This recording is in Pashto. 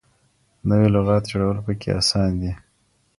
نوې لغات جوړول پکې اسان دي.